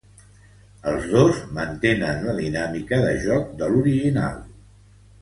Els dos mantenen la dinàmica de joc de l'original.